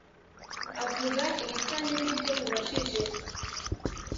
avuga ibitanye nibyo mubajije